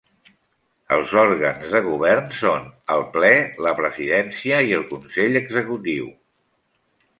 Els òrgans de govern són el Ple, la presidència i el Consell Executiu.